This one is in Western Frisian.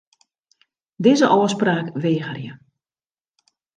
Dizze ôfspraak wegerje.